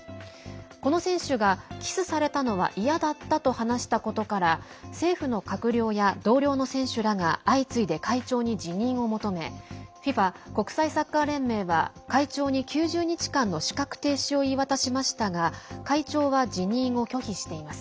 この選手がキスされたのは嫌だったと話したことから政府の閣僚や同僚の選手らが相次いで会長に辞任を求めＦＩＦＡ＝国際サッカー連盟は会長に９０日間の資格停止を言い渡しましたが会長は辞任を拒否しています。